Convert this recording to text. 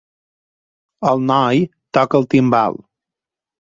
El noi toca el timbal.